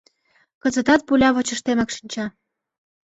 Кызытат пуля вачыштемак шинча.